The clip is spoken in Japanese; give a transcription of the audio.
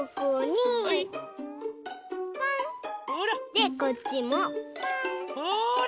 でこっちもポン！ほら！